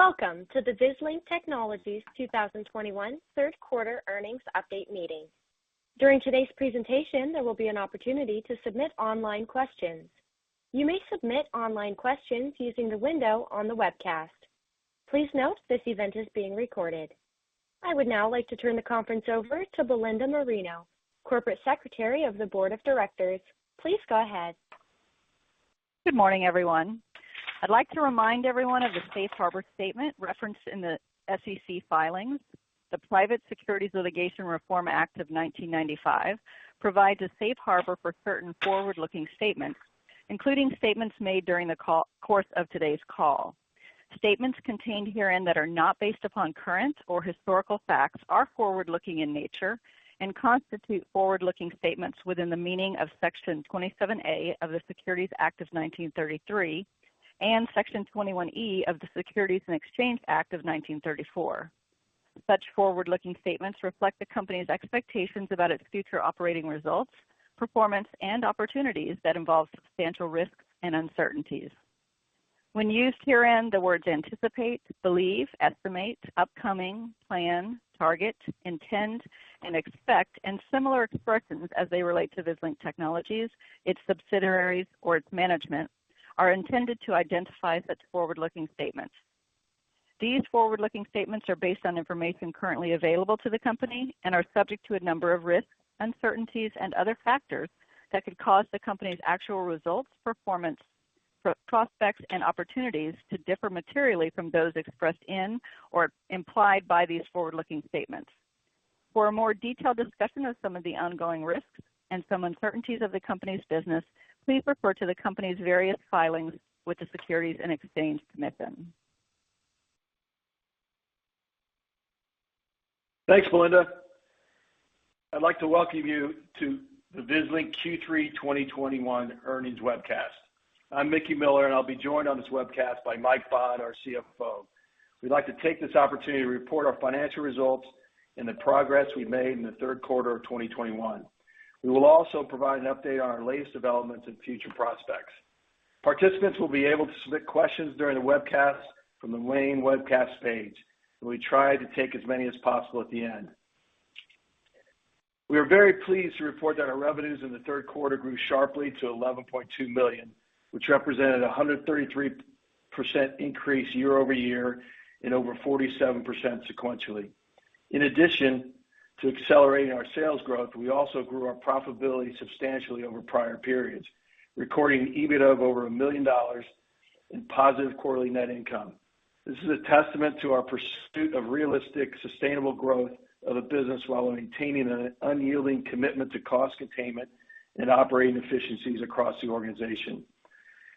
Welcome to the Vislink Technologies 2021 Q3 Earnings update meeting. During today's presentation, there will be an opportunity to submit online questions. You may submit online questions using the window on the webcast. Please note this event is being recorded. I would now like to turn the conference over to Belinda Marino, Corporate Secretary of the Board of Directors. Please go ahead. Good morning, everyone. I'd like to remind everyone of the safe harbor statement referenced in the SEC filings. The Private Securities Litigation Reform Act of 1995 provides a safe harbor for certain forward-looking statements, including statements made during the course of today's call. Statements contained herein that are not based upon current or historical facts are forward-looking in nature and constitute forward-looking statements within the meaning of Section 27A of the Securities Act of 1933 and Section 21E of the Securities and Exchange Act of 1934. Such forward-looking statements reflect the company's expectations about its future operating results, performance, and opportunities that involve substantial risks and uncertainties. When used herein, the words anticipate, believe, estimate, upcoming, plan, target, intend, and expect, and similar expressions as they relate to Vislink Technologies, its subsidiaries or its management, are intended to identify such forward-looking statements. These forward-looking statements are based on information currently available to the company and are subject to a number of risks, uncertainties and other factors that could cause the company's actual results, performance, prospects and opportunities to differ materially from those expressed in or implied by these forward-looking statements. For a more detailed discussion of some of the ongoing risks and some uncertainties of the company's business, please refer to the company's various filings with the Securities and Exchange Commission. Thanks, Belinda. I'd like to welcome you to the Vislink Q3 2021 earnings webcast. I'm Carleton M. Miller, and I'll be joined on this webcast by Mike Bond, our CFO. We'd like to take this opportunity to report our financial results and the progress we made in the Q3 of 2021. We will also provide an update on our latest developments and future prospects. Participants will be able to submit questions during the webcast from the main webcast page, and we try to take as many as possible at the end. We are very pleased to report that our revenues in the Q3 grew sharply to $11.2 million, which represented a 133% increase year-over-year and over 47% sequentially. In addition to accelerating our sales growth, we also grew our profitability substantially over prior periods, recording an EBIT of over $1 million in positive quarterly net income. This is a testament to our pursuit of realistic, sustainable growth of the business while maintaining an unyielding commitment to cost containment and operating efficiencies across the organization.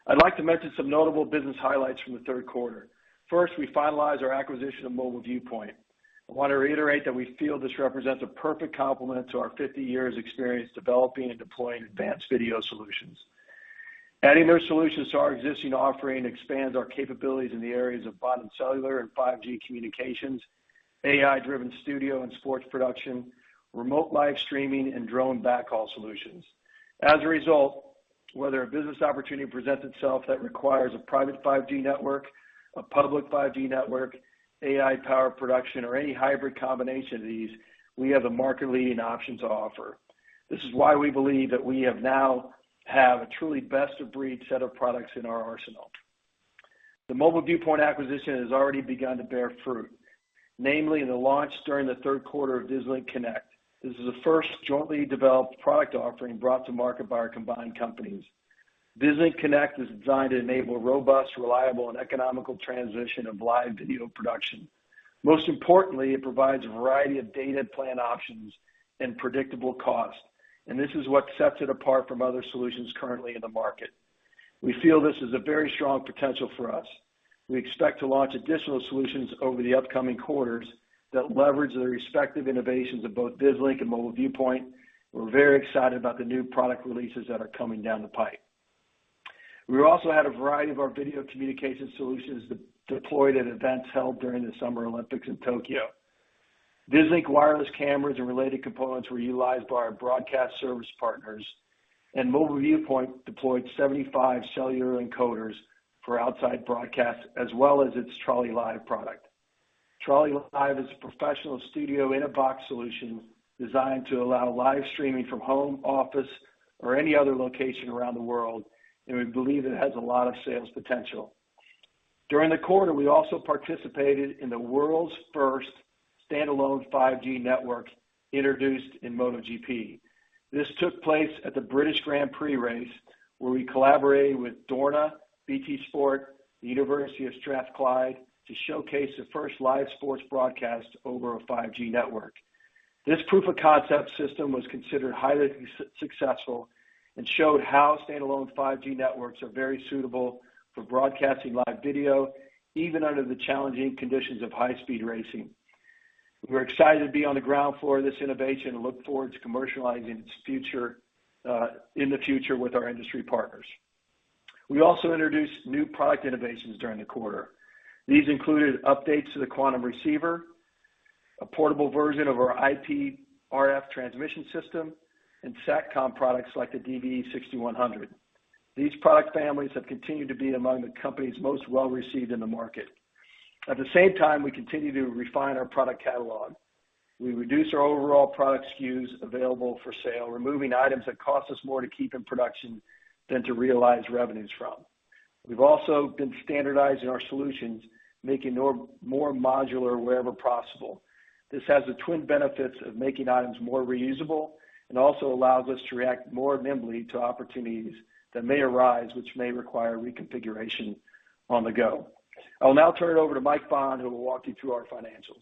I'd like to mention some notable business highlights from the Q3. First, we finalized our acquisition of Mobile Viewpoint. I want to reiterate that we feel this represents a perfect complement to our 50 years experience developing and deploying advanced video solutions. Adding their solutions to our existing offering expands our capabilities in the areas of bonded cellular and 5G communications, AI-driven studio and sports production, remote live streaming and drone backhaul solutions. As a result, whether a business opportunity presents itself that requires a private 5G network, a public 5G network, AI-powered production, or any hybrid combination of these, we have the market-leading options to offer. This is why we believe that we have now a truly best-of-breed set of products in our arsenal. The Mobile Viewpoint acquisition has already begun to bear fruit, namely in the launch during the Q3 of Vislink Connect. This is the first jointly developed product offering brought to market by our combined companies. Vislink Connect is designed to enable robust, reliable and economical transition of live video production. Most importantly, it provides a variety of data plan options and predictable cost, and this is what sets it apart from other solutions currently in the market. We feel this is a very strong potential for us. We expect to launch additional solutions over the upcoming quarters that leverage the respective innovations of both Vislink and Mobile Viewpoint. We're very excited about the new product releases that are coming down the pipe. We also had a variety of our video communication solutions deployed at events held during the Summer Olympics in Tokyo. Vislink wireless cameras and related components were utilized by our broadcast service partners, and Mobile Viewpoint deployed 75 cellular encoders for outside broadcast, as well as its Trolley Live product. Trolley Live is a professional studio in-a-box solution designed to allow live streaming from home, office or any other location around the world, and we believe it has a lot of sales potential. During the quarter, we also participated in the world's first standalone 5G network introduced in MotoGP. This took place at the British Grand Prix race, where we collaborated with Dorna, BT Sport, the University of Strathclyde to showcase the first live sports broadcast over a 5G network. This proof of concept system was considered highly successful and showed how standalone 5G networks are very suitable for broadcasting live video, even under the challenging conditions of high-speed racing. We're excited to be on the ground floor of this innovation and look forward to commercializing its future, in the future with our industry partners. We also introduced new product innovations during the quarter. These included updates to the Quantum receiver. A portable version of our IP RF transmission system and Satcom products like the DVE6100. These product families have continued to be among the company's most well-received in the market. At the same time, we continue to refine our product catalog. We reduce our overall product SKUs available for sale, removing items that cost us more to keep in production than to realize revenues from. We've also been standardizing our solutions, making them more modular wherever possible. This has the twin benefits of making items more reusable and also allows us to react more nimbly to opportunities that may arise, which may require reconfiguration on the go. I will now turn it over to Mike Bond, who will walk you through our financials.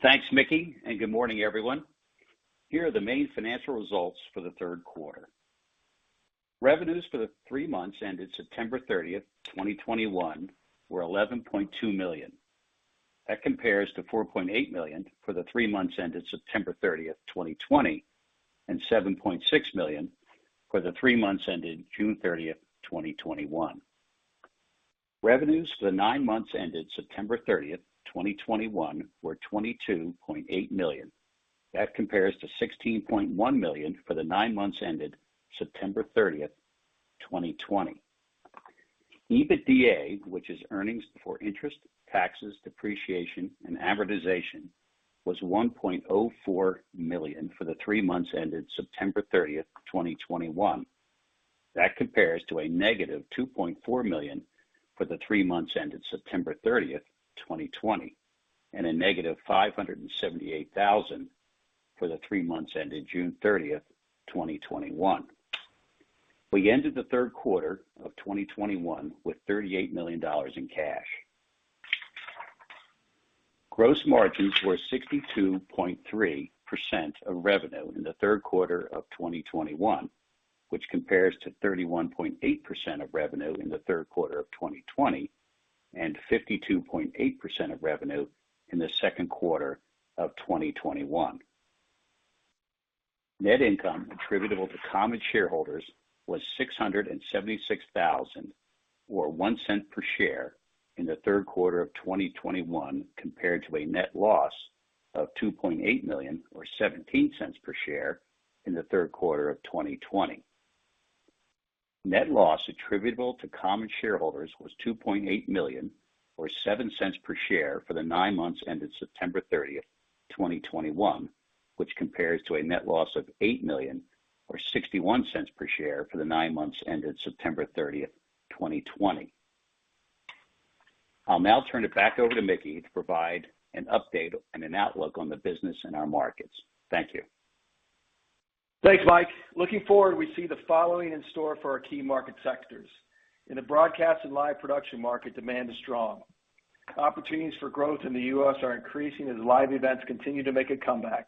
Thanks, Mickey, and good morning, everyone. Here are the main financial results for the Q3. Revenues for the three months ended September 30, 2021 were $11.2 million. That compares to $4.8 million for the three months ended September 30, 2020, and $7.6 million for the three months ended June 30, 2021. Revenues for the nine months ended September 30, 2021 were $22.8 million. That compares to $16.1 million for the nine months ended September 30, 2020. EBITDA, which is earnings before interest, taxes, depreciation, and amortization, was $1.04 million for the three months ended September 30, 2021. That compares to a negative $2.4 million for the three months ended September 30, 2020, and a negative $578 thousand for the three months ended June 30, 2021. We ended the Q3 of 2021 with $38 million in cash. Gross margins were 62.3% of revenue in the Q3 of 2021, which compares to 31.8% of revenue in the Q3 of 2020 and 52.8% of revenue in the Q2 of 2021. Net income attributable to common shareholders was $676 thousand, or $0.01 per share in the Q3 of 2021, compared to a net loss of $2.8 million, or $0.17 per share in the Q3 of 2020. Net loss attributable to common shareholders was $2.8 million or $0.07 per share for the nine months ended September 30, 2021, which compares to a net loss of $8 million or $0.61 per share for the nine months ended September 30, 2020. I'll now turn it back over to Mickey to provide an update and an outlook on the business and our markets. Thank you. Thanks, Mike. Looking forward, we see the following in store for our key market sectors. In the broadcast and live production market, demand is strong. Opportunities for growth in the U.S. are increasing as live events continue to make a comeback.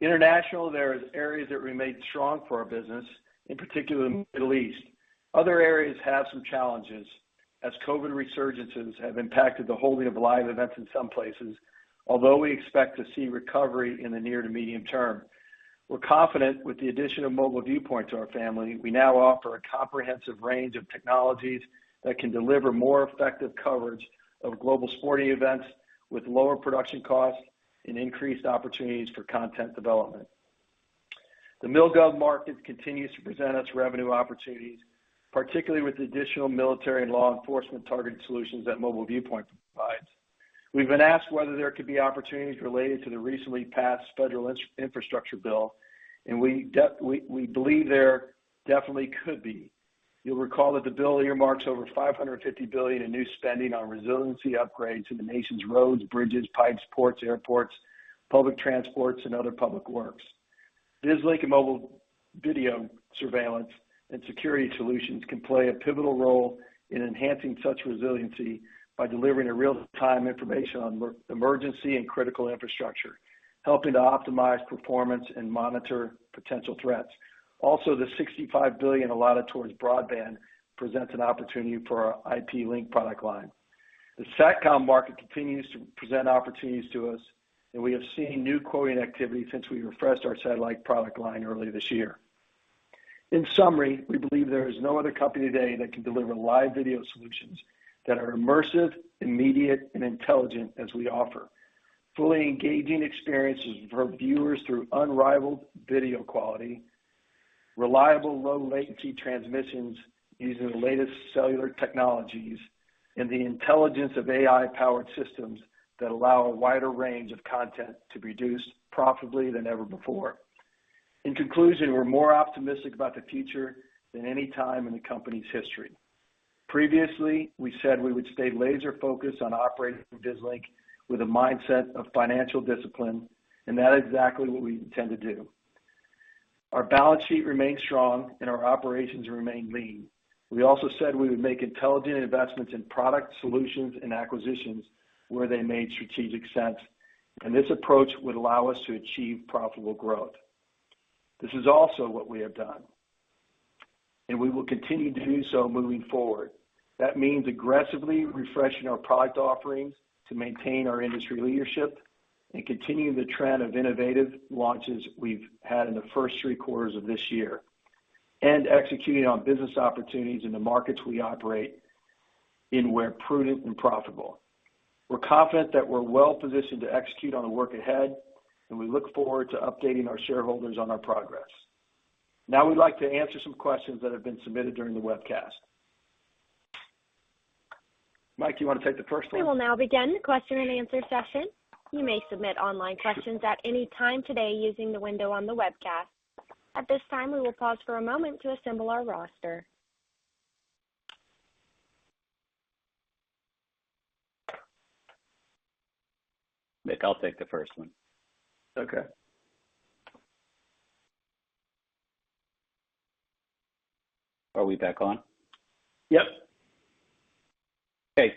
International, there is areas that remain strong for our business, in particular the Middle East. Other areas have some challenges as COVID resurgences have impacted the holding of live events in some places. Although we expect to see recovery in the near to medium term, we're confident with the addition of Mobile Viewpoint to our family, we now offer a comprehensive range of technologies that can deliver more effective coverage of global sporting events with lower production costs and increased opportunities for content development. The Mil-Gov market continues to present us revenue opportunities, particularly with the additional military and law enforcement targeted solutions that Mobile Viewpoint provides. We've been asked whether there could be opportunities related to the recently passed federal infrastructure bill, and we believe there definitely could be. You'll recall that the bill earmarks over $550 billion in new spending on resiliency upgrades in the nation's roads, bridges, pipes, ports, airports, public transports, and other public works. Vislink mobile video surveillance and security solutions can play a pivotal role in enhancing such resiliency by delivering real-time information on emergency and critical infrastructure, helping to optimize performance and monitor potential threats. Also, the $65 billion allotted towards broadband presents an opportunity for our IP link product line. The Satcom market continues to present opportunities to us, and we have seen new quoting activity since we refreshed our satellite product line earlier this year. In summary, we believe there is no other company today that can deliver live video solutions that are immersive, immediate, and intelligent as we offer, fully engaging experiences for viewers through unrivaled video quality, reliable low latency transmissions using the latest cellular technologies, and the intelligence of AI-powered systems that allow a wider range of content to be produced profitably than ever before. In conclusion, we're more optimistic about the future than any time in the company's history. Previously, we said we would stay laser focused on operating Vislink with a mindset of financial discipline, and that is exactly what we intend to do. Our balance sheet remains strong and our operations remain lean. We also said we would make intelligent investments in product solutions and acquisitions where they made strategic sense, and this approach would allow us to achieve profitable growth. This is also what we have done, and we will continue to do so moving forward. That means aggressively refreshing our product offerings to maintain our industry leadership and continue the trend of innovative launches we've had in the first three quarters of this year. Executing on business opportunities in the markets we operate in, where prudent and profitable. We're confident that we're well-positioned to execute on the work ahead, and we look forward to updating our shareholders on our progress. Now, we'd like to answer some questions that have been submitted during the webcast. Mike, do you wanna take the first one? We will now begin the question and answer session. You may submit online questions at any time today using the window on the webcast. At this time, we will pause for a moment to assemble our roster. Nick, I'll take the first one. Okay. Are we back on? Yep. Okay,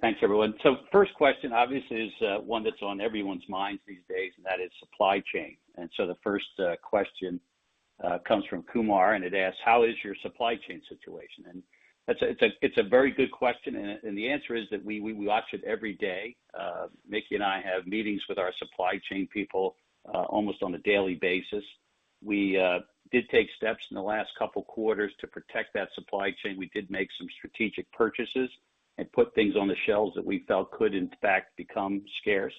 thanks everyone. First question obviously is, one that's on everyone's minds these days, and that is supply chain. The first question comes from Kumar, and it asks, "How is your supply chain situation?" That's a very good question. The answer is that we watch it every day. Mickey and I have meetings with our supply chain people, almost on a daily basis. We did take steps in the last couple quarters to protect that supply chain. We did make some strategic purchases and put things on the shelves that we felt could, in fact, become scarce.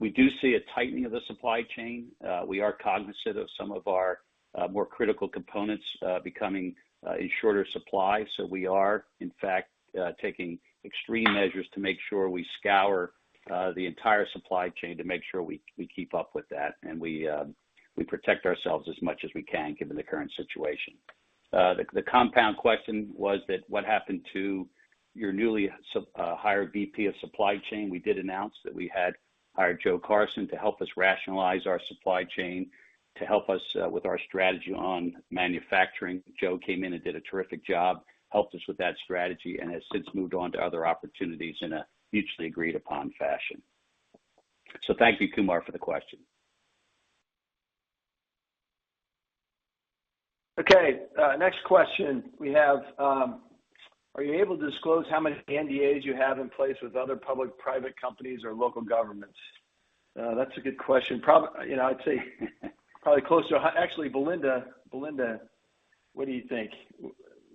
We do see a tightening of the supply chain. We are cognizant of some of our more critical components, becoming in shorter supply. We are in fact taking extreme measures to make sure we scour the entire supply chain to make sure we keep up with that and we protect ourselves as much as we can given the current situation. The compound question was, what happened to your newly hired VP of supply chain? We did announce that we had hired Joe Carson to help us rationalize our supply chain, to help us with our strategy on manufacturing. Joe came in and did a terrific job, helped us with that strategy, and has since moved on to other opportunities in a mutually agreed upon fashion. Thank you, Kumar, for the question. Okay, next question we have, are you able to disclose how many NDAs you have in place with other public, private companies or local governments? That's a good question. You know, I'd say probably close to a hundred. Actually, Belinda. Belinda, what do you think? Um-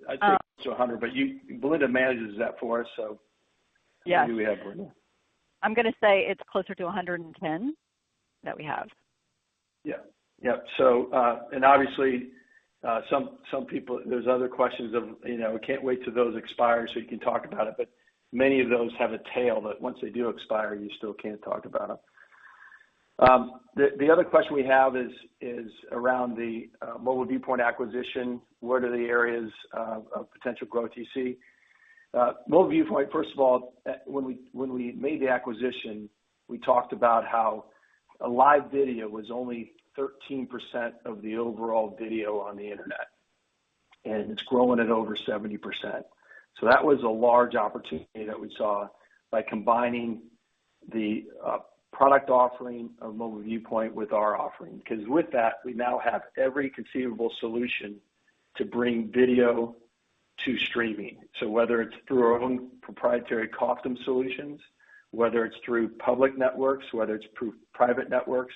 I'd say close to 100, but Belinda manages that for us, so. Yeah. How many do we have, Belinda? I'm gonna say it's closer to 110 that we have. Yeah. Yeah. Obviously, some people, there's other questions of, you know, we can't wait till those expire, so we can talk about it, but many of those have a tail that once they do expire, you still can't talk about them. The other question we have is around the Mobile Viewpoint acquisition. What are the areas of potential growth you see? Mobile Viewpoint, first of all, when we made the acquisition, we talked about how live video was only 13% of the overall video on the internet, and it's growing at over 70%. That was a large opportunity that we saw by combining the product offering of Mobile Viewpoint with our offering. 'Cause with that, we now have every conceivable solution to bring video to streaming. Whether it's through our own proprietary Quantum solutions, whether it's through public networks, whether it's through private networks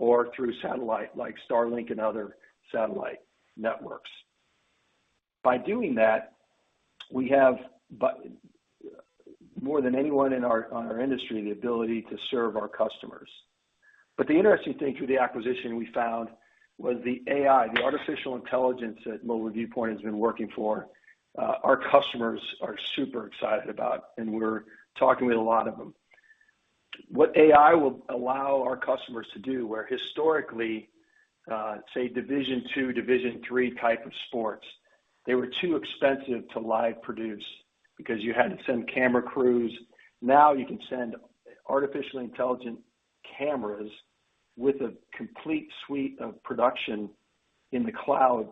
or through satellite like Starlink and other satellite networks. By doing that, we have more than anyone in our industry, the ability to serve our customers. The interesting thing through the acquisition we found was the AI, the artificial intelligence that Mobile Viewpoint has been working for, our customers are super excited about, and we're talking with a lot of them. What AI will allow our customers to do, where historically, say Division II, Division III type of sports, they were too expensive to live produce because you had to send camera crews. Now you can send artificial intelligent cameras with a complete suite of production in the cloud,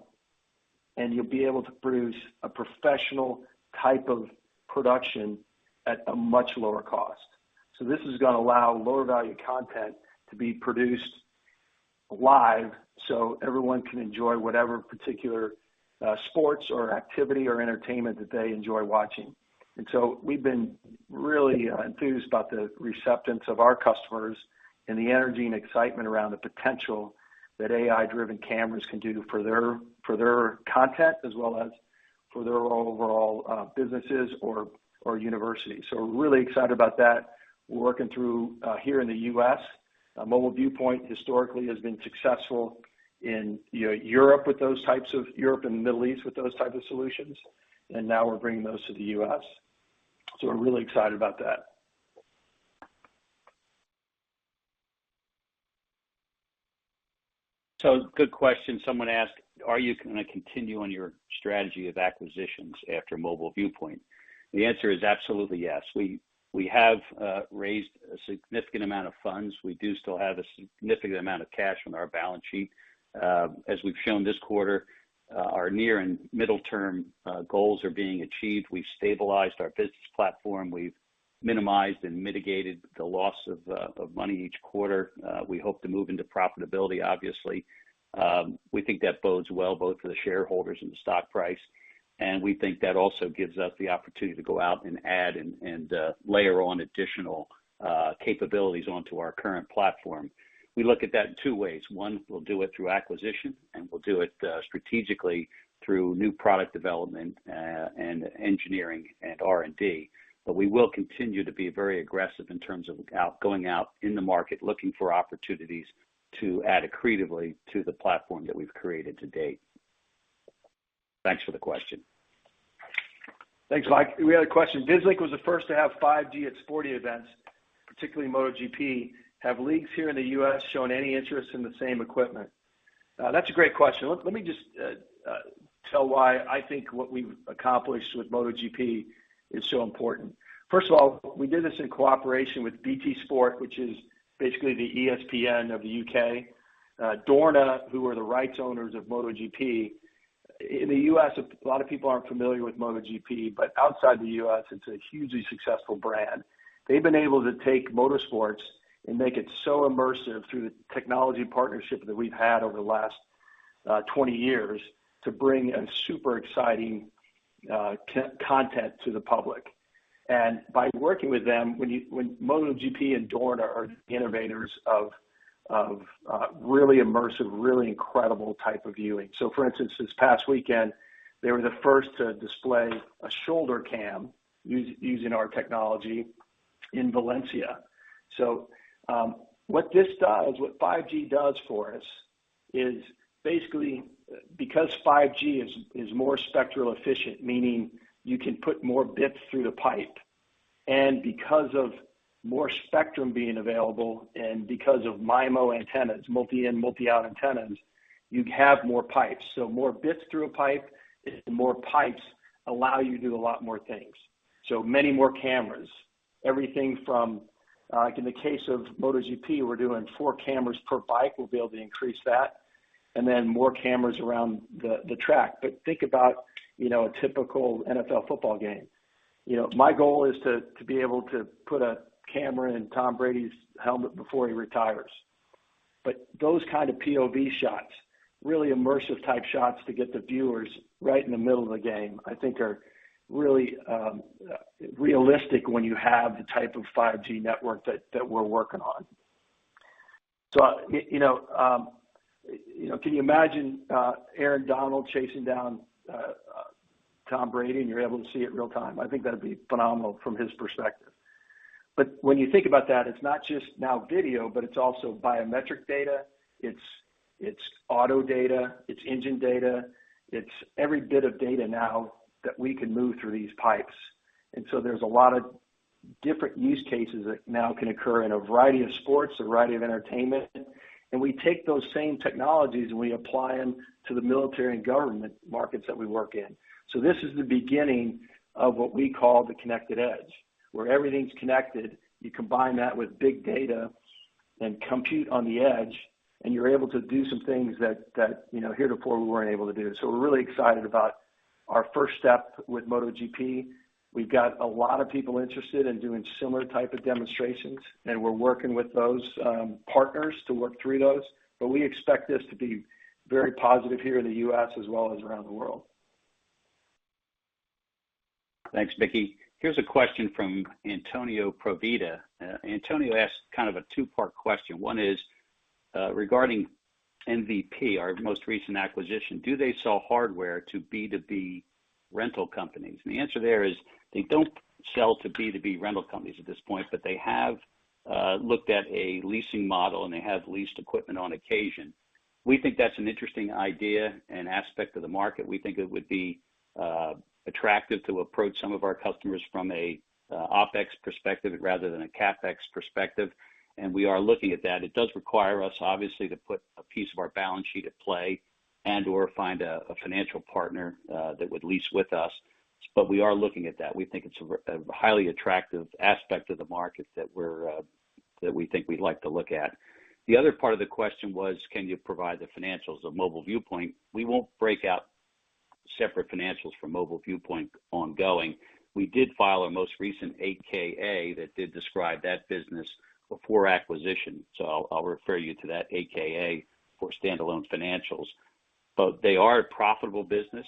and you'll be able to produce a professional type of production at a much lower cost. This is gonna allow lower value content to be produced live so everyone can enjoy whatever particular sports or activity or entertainment that they enjoy watching. We've been really enthused about the receptance of our customers and the energy and excitement around the potential that AI-driven cameras can do for their content as well as for their overall businesses or universities. We're really excited about that. We're working through here in the U.S. Mobile Viewpoint historically has been successful in Europe and Middle East with those type of solutions. Now we're bringing those to the U.S. We're really excited about that. Good question. Someone asked, "Are you gonna continue on your strategy of acquisitions after Mobile Viewpoint?" The answer is absolutely yes. We have raised a significant amount of funds. We do still have a significant amount of cash on our balance sheet. As we've shown this quarter, our near and middle-term goals are being achieved. We've stabilized our business platform. We've minimized and mitigated the loss of money each quarter. We hope to move into profitability obviously. We think that bodes well both for the shareholders and the stock price. We think that also gives us the opportunity to go out and add and layer on additional capabilities onto our current platform. We look at that in two ways. One, we'll do it through acquisition, and we'll do it strategically through new product development, and engineering and R&D. We will continue to be very aggressive in terms of going out in the market, looking for opportunities to add accretively to the platform that we've created to date. Thanks for the question. Thanks, Mike. We had a question. Vislink was the first to have 5G at sporting events, particularly MotoGP. Have leagues here in the U.S. shown any interest in the same equipment? That's a great question. Let me just tell why I think what we've accomplished with MotoGP is so important. First of all, we did this in cooperation with BT Sport, which is basically the ESPN of the U.K. Dorna, who are the rights owners of MotoGP. In the U.S., a lot of people aren't familiar with MotoGP, but outside the U.S., it's a hugely successful brand. They've been able to take motorsports and make it so immersive through the technology partnership that we've had over the last 20 years to bring a super exciting co-content to the public. By working with them, MotoGP and Dorna are innovators of really immersive, really incredible type of viewing. For instance, this past weekend, they were the first to display a shoulder cam using our technology in Valencia. What this does, what 5G does for us is basically because 5G is more spectrally efficient, meaning you can put more bits through the pipe. Because of more spectrum being available and because of MIMO antennas, multi-in/multi-out antennas, you have more pipes. More bits through a pipe is more pipes allow you to do a lot more things. Many more cameras. Everything from, like in the case of MotoGP, we're doing four cameras per bike. We'll be able to increase that, and then more cameras around the track. Think about, you know, a typical NFL football game. You know, my goal is to be able to put a camera in Tom Brady's helmet before he retires. Those kind of POV shots, really immersive type shots to get the viewers right in the middle of the game, I think are really realistic when you have the type of 5G network that we're working on. You know, can you imagine Aaron Donald chasing down Tom Brady, and you're able to see it real-time? I think that'd be phenomenal from his perspective. When you think about that, it's not just now video, but it's also biometric data. It's auto data, it's engine data. It's every bit of data now that we can move through these pipes. There's a lot of different use cases that now can occur in a variety of sports, a variety of entertainment. We take those same technologies, and we apply them to the military and government markets that we work in. This is the beginning of what we call the connected edge, where everything's connected. You combine that with big data and compute on the edge, and you're able to do some things that, you know, heretofore we weren't able to do. We're really excited about our first step with MotoGP. We've got a lot of people interested in doing similar type of demonstrations, and we're working with those, partners to work through those. We expect this to be very positive here in the U.S. as well as around the world. Thanks, Mickey. Here's a question from Antonio Proietti. Antonio asks kind of a two-part question. One is regarding MVP, our most recent acquisition, do they sell hardware to B2B rental companies? The answer there is they don't sell to B2B rental companies at this point, but they have looked at a leasing model, and they have leased equipment on occasion. We think that's an interesting idea and aspect of the market. We think it would be attractive to approach some of our customers from a OpEx perspective rather than a CapEx perspective, and we are looking at that. It does require us, obviously, to put a piece of our balance sheet at play and/or find a financial partner that would lease with us. We are looking at that. We think it's a highly attractive aspect of the market that we think we'd like to look at. The other part of the question was, can you provide the financials of Mobile Viewpoint? We won't break out separate financials from Mobile Viewpoint ongoing. We did file our most recent 8-K/A that did describe that business before acquisition. I'll refer you to that 8-K/A for standalone financials. They are a profitable business.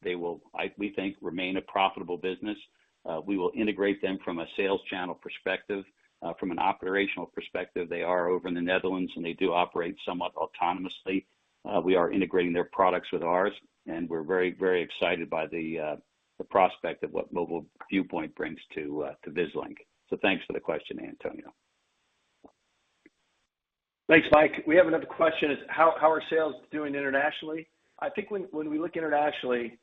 They will, we think, remain a profitable business. We will integrate them from a sales channel perspective. From an operational perspective, they are over in the Netherlands, and they do operate somewhat autonomously. We are integrating their products with ours, and we're very, very excited by the prospect of what Mobile Viewpoint brings to Vislink. Thanks for the question, Antonio. Thanks, Mike. We have another question. It's how are sales doing internationally? I think when we look internationally,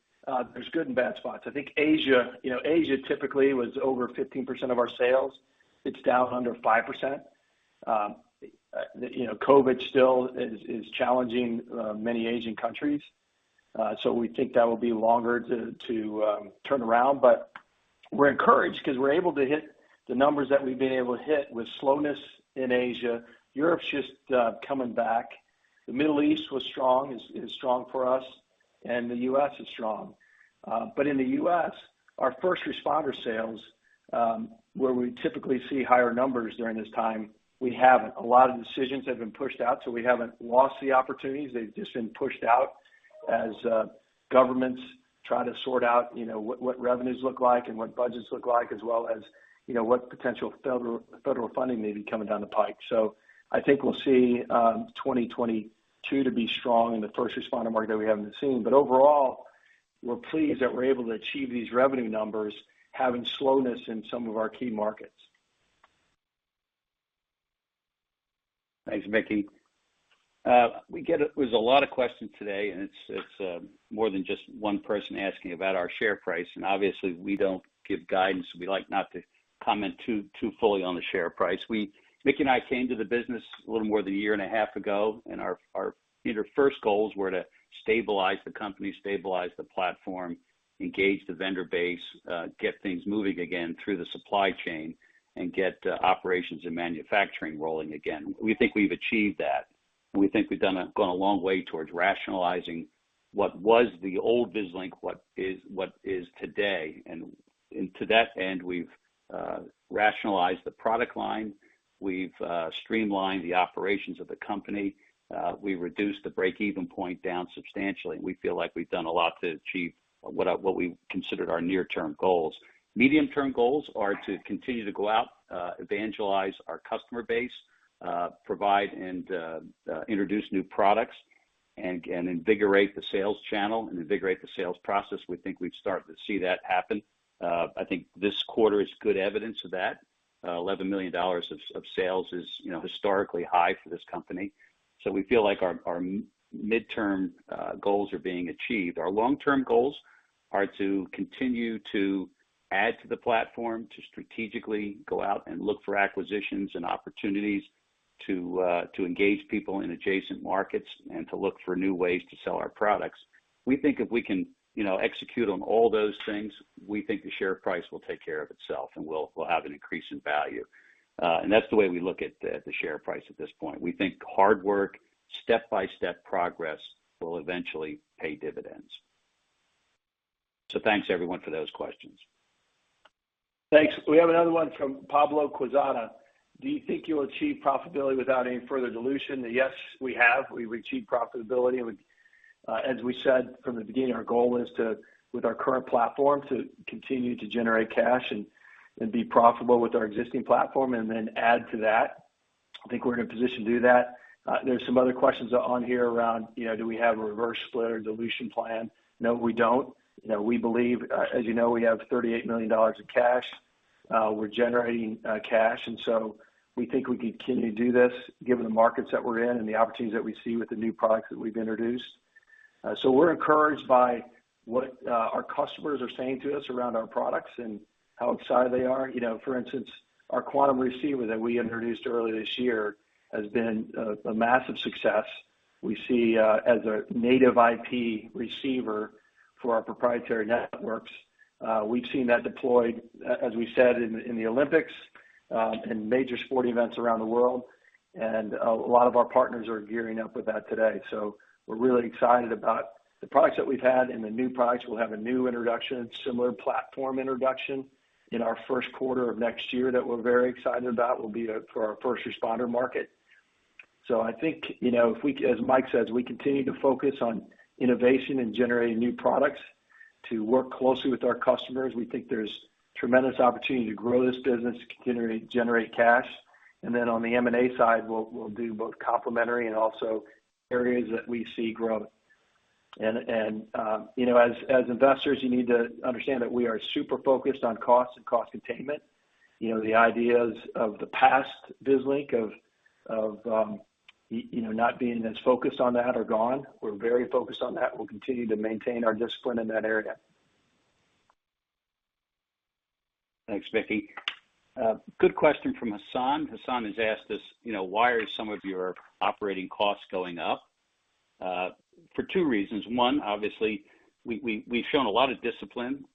there's good and bad spots. I think Asia, you know, Asia typically was over 15% of our sales. It's down under 5%. You know, COVID still is challenging many Asian countries. So we think that will be longer to turn around. But we're encouraged 'cause we're able to hit the numbers that we've been able to hit with slowness in Asia. Europe's just coming back. The Middle East was strong, is strong for us, and the U.S. is strong. But in the U.S., our first responder sales, where we typically see higher numbers during this time, we haven't. A lot of decisions have been pushed out, so we haven't lost the opportunities. They've just been pushed out as governments try to sort out, you know, what revenues look like and what budgets look like as well as, you know, what potential federal funding may be coming down the pike. I think we'll see 2022 to be strong in the first responder market that we haven't seen. Overall, we're pleased that we're able to achieve these revenue numbers having slowness in some of our key markets. Thanks, Mickey. There's a lot of questions today, and it's more than just one person asking about our share price. Obviously, we don't give guidance, and we like not to comment too fully on the share price. Mickey and I came to the business a little more than a year and a half ago, and our first goals were to stabilize the company, stabilize the platform, engage the vendor base, get things moving again through the supply chain and get operations and manufacturing rolling again. We think we've achieved that. We think we've gone a long way towards rationalizing what was the old Vislink, what is today. To that end, we've rationalized the product line, we've streamlined the operations of the company, we reduced the break-even point down substantially. We feel like we've done a lot to achieve what we considered our near-term goals. Medium-term goals are to continue to go out, evangelize our customer base, provide and introduce new products and invigorate the sales channel and invigorate the sales process. We think we've started to see that happen. I think this quarter is good evidence of that. $11 million of sales is, you know, historically high for this company. We feel like our mid-term goals are being achieved. Our long-term goals are to continue to add to the platform, to strategically go out and look for acquisitions and opportunities, to engage people in adjacent markets and to look for new ways to sell our products. We think if we can, you know, execute on all those things, we think the share price will take care of itself, and we'll have an increase in value. That's the way we look at the share price at this point. We think hard work, step-by-step progress will eventually pay dividends. Thanks everyone for those questions. Thanks. We have another one from Pablo Quesada. Do you think you'll achieve profitability without any further dilution? Yes, we have. We've achieved profitability. As we said from the beginning, our goal is to, with our current platform, to continue to generate cash and be profitable with our existing platform and then add to that. I think we're in a position to do that. There's some other questions on here around, you know, do we have a reverse split or dilution plan? No, we don't. You know, we believe, as you know, we have $38 million of cash. We're generating cash, and so we think we can continue to do this given the markets that we're in and the opportunities that we see with the new products that we've introduced. We're encouraged by what our customers are saying to us around our products and how excited they are. You know, for instance, our Quantum receiver that we introduced earlier this year has been a massive success. We see, as a native IP receiver for our proprietary networks, we've seen that deployed, as we said, in the Olympics, in major sporting events around the world, and a lot of our partners are gearing up with that today. We're really excited about the products that we've had and the new products. We'll have a new introduction, similar platform introduction in our Q1 of next year that we're very excited about, will be for our first responder market. I think, you know, as Mike says, we continue to focus on innovation and generating new products to work closely with our customers. We think there's tremendous opportunity to grow this business, continue to generate cash. Then on the M&A side, we'll do both complementary and also areas that we see growing. You know, as investors, you need to understand that we are super focused on costs and cost containment. The ideas of the past Vislink not being as focused on that are gone. We're very focused on that. We'll continue to maintain our discipline in that area. Thanks, Mickey. Good question from Hassan. Hassan has asked us, you know, why are some of your operating costs going up? For two reasons. One, obviously, we've shown a lot of discipline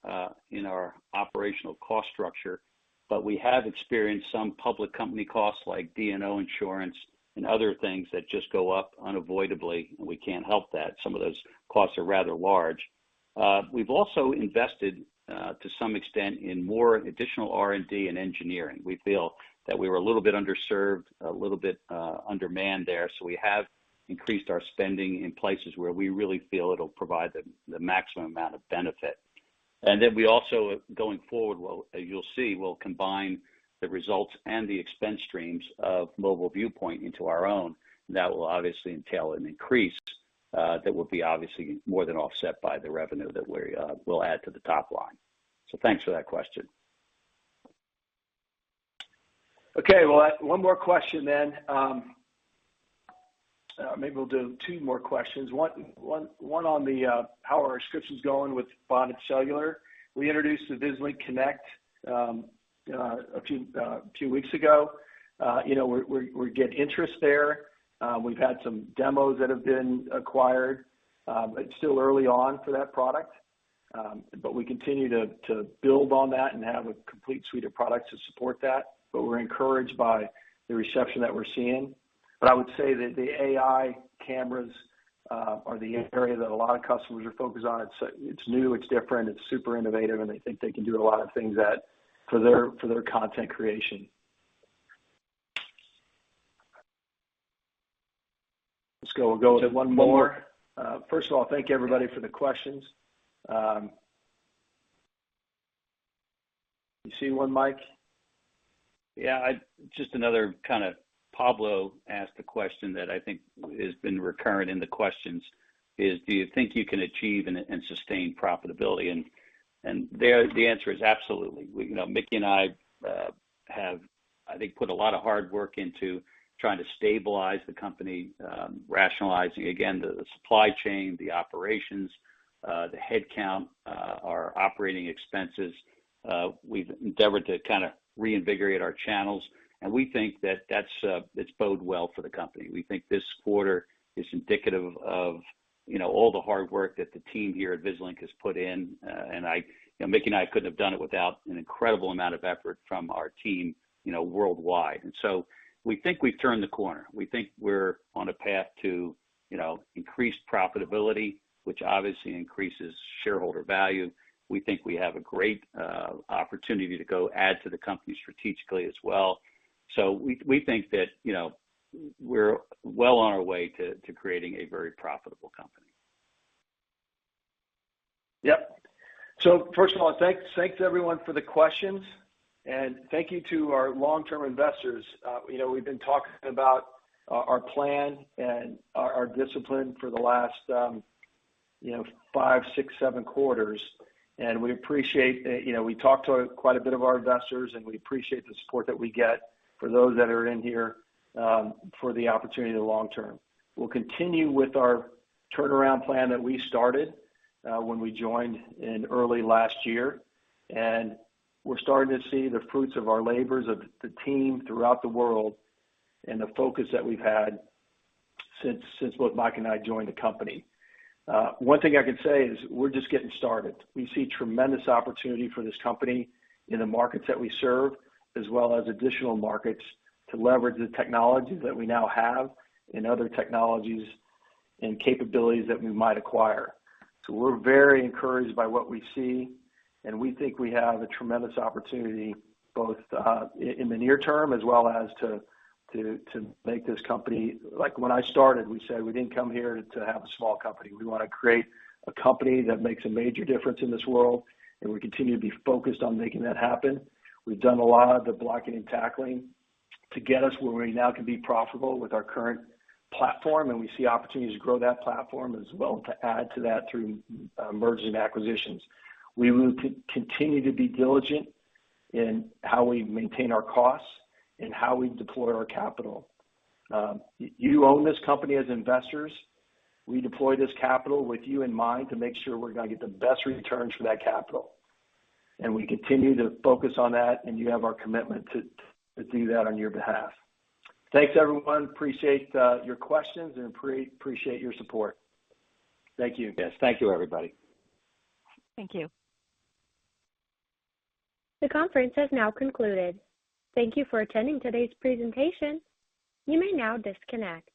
in our operational cost structure, but we have experienced some public company costs like D&O insurance and other things that just go up unavoidably, and we can't help that. Some of those costs are rather large. We've also invested to some extent in more additional R&D and engineering. We feel that we were a little bit underserved, a little bit undermanned there. We have increased our spending in places where we really feel it'll provide the maximum amount of benefit. Then we also, going forward, you'll see, we'll combine the results and the expense streams of Mobile Viewpoint into our own. That will obviously entail an increase that will be obviously more than offset by the revenue that we'll add to the top line. Thanks for that question. Okay. We'll have one more question then. Maybe we'll do two more questions. One on how are our subscriptions going with bonded cellular. We introduced the Vislink Connect a few weeks ago. You know, we get interest there. We've had some demos that have been acquired, but still early on for that product. We continue to build on that and have a complete suite of products to support that. We're encouraged by the reception that we're seeing. I would say that the AI cameras. Is the area that a lot of customers are focused on. It's new, it's different, it's super innovative, and they think they can do a lot of things for their content creation. Let's go. We'll go with one more. One more. First of all, thank you, everybody, for the questions. You see one, Mike? Yeah. Just another kind of Pablo asked a question that I think has been recurrent in the questions, is do you think you can achieve and sustain profitability? There, the answer is absolutely. You know, Mickey and I have, I think, put a lot of hard work into trying to stabilize the company, rationalizing again the supply chain, the operations, the headcount, our operating expenses. We've endeavored to kinda reinvigorate our channels, and we think that that bodes well for the company. We think this quarter is indicative of, you know, all the hard work that the team here at Vislink has put in. You know, Mickey and I couldn't have done it without an incredible amount of effort from our team, you know, worldwide. We think we've turned the corner. We think we're on a path to, you know, increased profitability, which obviously increases shareholder value. We think we have a great opportunity to go add to the company strategically as well. We think that, you know, we're well on our way to creating a very profitable company. Yep. First of all, thanks everyone for the questions, and thank you to our long-term investors. You know, we've been talking about our plan and our discipline for the last 5, 6, 7 quarters, and we appreciate. You know, we talk to quite a bit of our investors, and we appreciate the support that we get for those that are in here for the long-term opportunity. We'll continue with our turnaround plan that we started when we joined in early last year, and we're starting to see the fruits of our labors of the team throughout the world and the focus that we've had since both Mike and I joined the company. One thing I can say is we're just getting started. We see tremendous opportunity for this company in the markets that we serve, as well as additional markets to leverage the technologies that we now have and other technologies and capabilities that we might acquire. We're very encouraged by what we see, and we think we have a tremendous opportunity both in the near term as well as to make this company. Like when I started, we said we didn't come here to have a small company. We wanna create a company that makes a major difference in this world, and we continue to be focused on making that happen. We've done a lot of the blocking and tackling to get us where we now can be profitable with our current platform, and we see opportunities to grow that platform as well to add to that through M&A. We will continue to be diligent in how we maintain our costs and how we deploy our capital. You own this company as investors. We deploy this capital with you in mind to make sure we're gonna get the best returns for that capital. We continue to focus on that, and you have our commitment to do that on your behalf. Thanks, everyone. Appreciate your questions and appreciate your support. Thank you. Yes, thank you, everybody. Thank you. The conference has now concluded. Thank you for attending today's presentation. You may now disconnect.